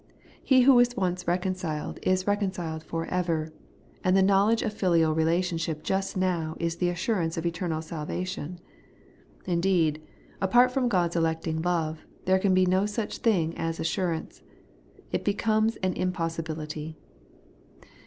He who is once reconciled is recon ciled for ever ; and the knowledge of filial relation ship just now is the assurance of eternal salvation. Indeed, apart from God's electing love, there can be no such thing as assurance. It becomes an impos sibility.